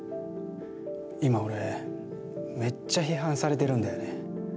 今、俺めっちゃ批判されてるんだよね。